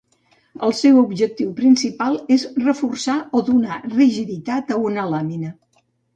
El seu objectiu principal és reforçar o donar rigiditat a una làmina.